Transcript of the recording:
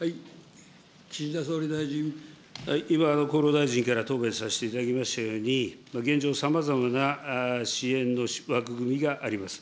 今、厚労大臣から答弁させていただきましたように、現状、さまざまな支援の枠組みがあります。